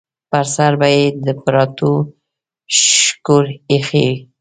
پر سر به یې د پراټو شکور ایښی و.